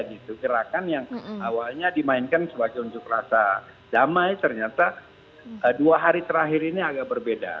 itu gerakan yang awalnya dimainkan sebagai unjuk rasa damai ternyata dua hari terakhir ini agak berbeda